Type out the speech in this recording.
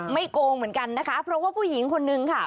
โกงเหมือนกันนะคะเพราะว่าผู้หญิงคนนึงค่ะ